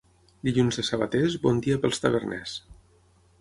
Dilluns de sabaters, bon dia pels taverners.